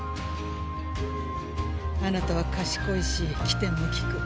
あなたは賢いし機転も利く。